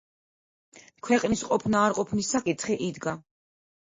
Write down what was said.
ქვეყნის ყოფნა-არყოფნის საკითხი იდგა.